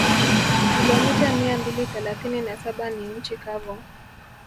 Kilomita mia mbili thelathini na saba ni nchi kavu